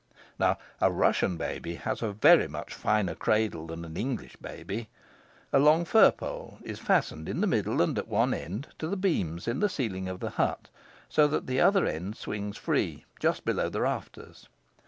Now a Russian baby has a very much finer cradle than an English baby. A long fir pole is fastened in the middle and at one end to the beams in the ceiling of the hut, so that the other end swings free, just below the rafters.